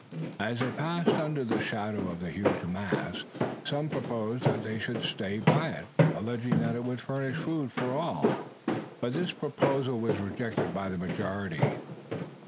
As they passed under the shadow of the huge mass some proposed that they should stay by it, alleging that it would furnish food for all; but this proposal was rejected by the majority.